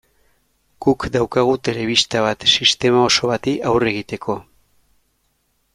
Guk daukagu telebista bat sistema oso bati aurre egiteko.